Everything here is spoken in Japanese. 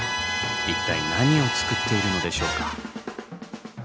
一体何を造っているのでしょうか。